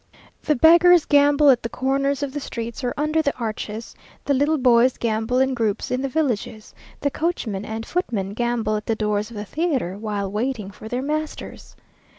The beggars gamble at the corners of the streets or under the arches; the little boys gamble in groups in the villages; the coachmen and footmen gamble at the doors of the theatre while waiting for their masters.